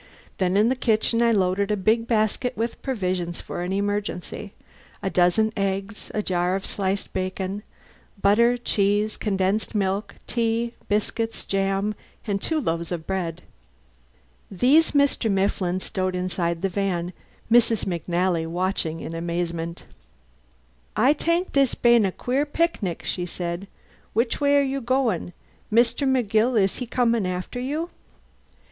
Then in the kitchen I loaded a big basket with provisions for an emergency: a dozen eggs, a jar of sliced bacon, butter, cheese, condensed milk, tea, biscuits, jam, and two loaves of bread. These Mr. Mifflin stowed inside the van, Mrs. McNally watching in amazement. "I tank this bane a queer picnic!" she said. "Which way are you going? Mr. McGill, is he coming after you?"